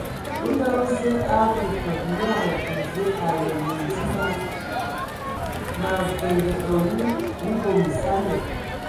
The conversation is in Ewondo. Ndo hm Zǝe a abwi fǝg, nye ai bemvoe ai ayom die naa: Mǝ avenge awu, mii bom esani.